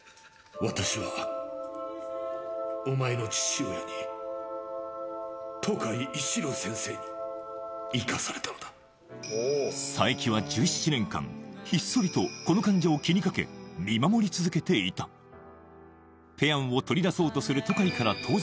私はお前の父親に渡海一郎先生に生かされたのだ佐伯は１７年間ひっそりとこの患者を気にかけ見守り続けていたペアンを取り出そうとする渡海から遠ざけたのも